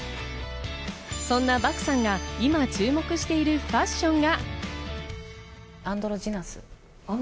そんな漠さんが今、注目しているファッションが。